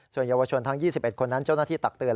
ส่วนเยาวชนทั้ง๒๑คนนั้นเจ้าหน้าที่ตักเตือ